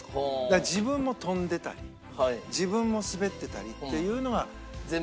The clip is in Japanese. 自分も飛んでたり自分も滑ってたりっていうのは一番条件。